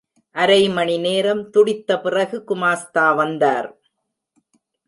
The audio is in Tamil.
அரைமணிநேரம் துடித்த பிறகு குமாஸ்தா வந்தார்.